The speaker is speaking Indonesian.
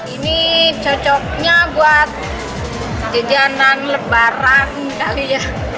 ini cocoknya buat jajanan lebaran